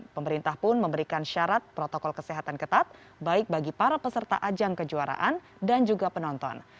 pemerintah pun memberikan syarat protokol kesehatan ketat baik bagi para peserta ajang kejuaraan dan juga penonton